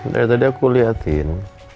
dari tadi aku liatin